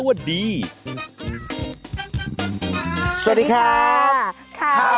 คิดมาก